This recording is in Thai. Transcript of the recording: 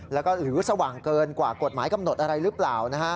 แล้วก็หรือสว่างเกินกว่ากฎหมายกำหนดอะไรหรือเปล่า